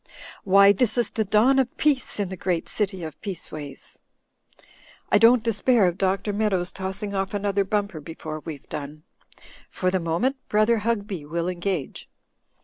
Why, this is the dawn of peace in the great city of Peaceways. I don't despair of Dr. Meadows tossing off another bumper before we've done. For the moment. Brother Hugby will engage."